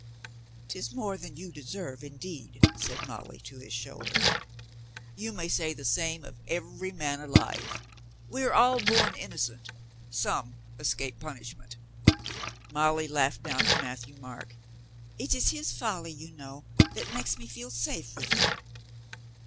" 'Tis more than you deserve, indeed," said Molly to his shoulder. "You may say the same of every man alive. We are all born innocent. Some escape punishment." 468 COLONEL GREATHEART Molly laughed down at Matthieu Marc. "It is his folly, you know, that makes me feel safe with him."